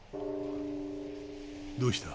どうした？